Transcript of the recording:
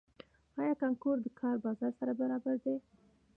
آیا کانکور د کار بازار سره برابر دی؟